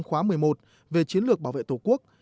khóa một mươi một về chiến lược bảo vệ tổ quốc